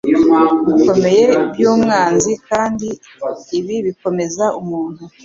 bikomeye by’umwanzi, kandi ibi bikomeza umuntu